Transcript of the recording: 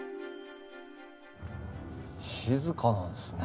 静かなんですね。